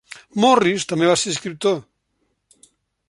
Morris també va ser escriptor.